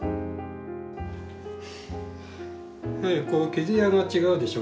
毛艶が違うでしょ？